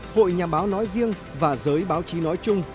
hội nhà báo nói riêng và giới báo chí nói chung